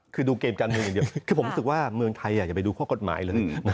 คือดูเกมจันทร์เมืองเดียวคือผมรู้สึกว่าเมืองไทยอย่าไปดูข้อกฎหมายเลย